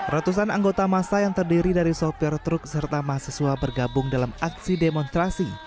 ratusan anggota masa yang terdiri dari sopir truk serta mahasiswa bergabung dalam aksi demonstrasi